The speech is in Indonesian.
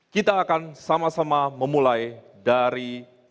kita akan sama sama memulai dari